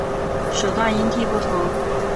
手段因地不同。